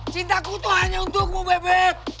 cintaku tuh hanya untukmu bebep